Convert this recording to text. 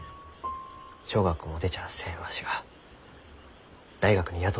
小学校も出ちゃあせんわしが大学に雇うてもろうて。